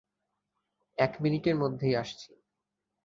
এক মিনিটের মধ্যেই আসছি।